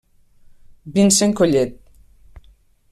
Vincent Collet.